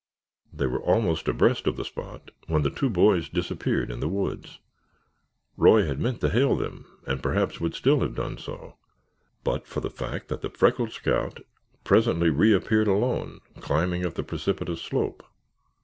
They were almost abreast of the spot when the two boys disappeared in the woods. Roy had meant to hail them and perhaps would still have done so but for the fact that the freckled scout presently reappeared alone climbing up the precipitous slope.